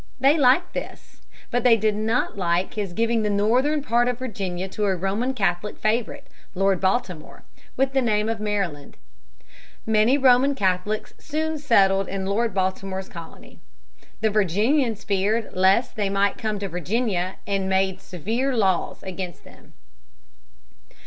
They liked this. But they did not like his giving the northern part of Virginia to a Roman Catholic favorite, Lord Baltimore, with the name of Maryland. Many Roman Catholics soon settled in Lord Baltimore's colony. The Virginians feared lest they might come to Virginia and made severe laws against them.